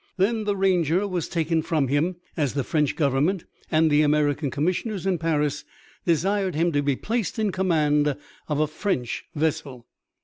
Then the Ranger was taken from him, as the French Government and the American Commissioners in Paris desired him to be placed in command of a French vessel.